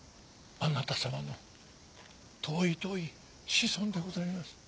あなた様の遠い遠い子孫でございます。